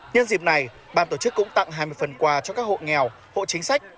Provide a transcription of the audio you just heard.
nhân dịp này ban tổ chức cũng tặng hai mươi phần quà cho các hộ nghèo hộ chính sách